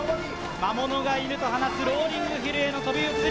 魔物がいると話す、ローリングヒルへの飛び移り。